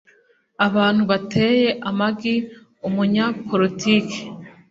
Abantu bateye amagi umunyapolitiki.